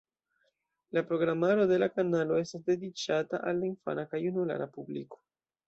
La programaro de la kanalo estas dediĉata al la infana kaj junulara publiko.